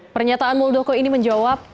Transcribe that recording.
pernyataan muldoko ini menjawab